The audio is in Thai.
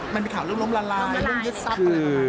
มันมีข่าวเรื่องล้มละลายเรื่องยึดทรัพย์